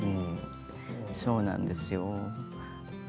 そうなんですよね。